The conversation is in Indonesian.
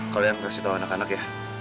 kalian kasih tau anak anak ya